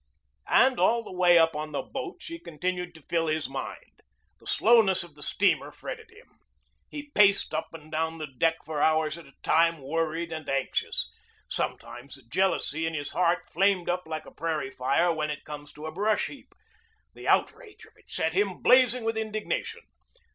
And all the way up on the boat she continued to fill his mind. The slowness of the steamer fretted him. He paced up and down the deck for hours at a time worried and anxious. Sometimes the jealousy in his heart flamed up like a prairie fire when it comes to a brush heap. The outrage of it set him blazing with indignation.